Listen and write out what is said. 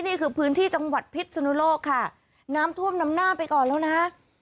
นี่คือพื้นที่จังหวัดพิษสุนุโลกค่ะน้ำท่วมนำหน้าไปก่อนแล้วนะ